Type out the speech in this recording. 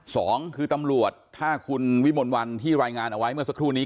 สองคือตำรวจถ้าคุณวิมลวันที่รายงานเอาไว้เมื่อสักครู่นี้